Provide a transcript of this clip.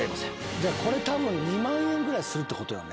じゃあ、これたぶん、２万円ぐらいするってことやね。